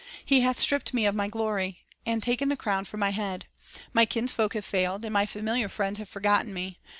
... He hath stripped me of my glory, And taken the crown from my head. ... My kinsfolk have failed, And my familiar friends have forgotten me.